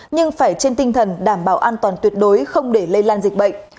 nhưng phải trên tinh thần đảm bảo an toàn tuyệt đối không để lây lan dịch bệnh